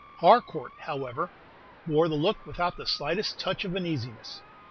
Harcourt, however, bore the look without the slightest touch of uneasiness.